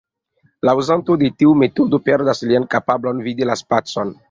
La uzanto de tiu metodo perdas lian kapablon vidi la spacon.